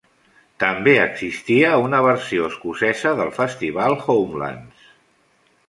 També existia una versió escocesa del festival Homelands.